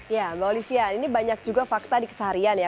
ya mbak olivia ini banyak juga fakta di keseharian ya